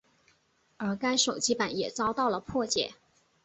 而该手机版也遭到了破解。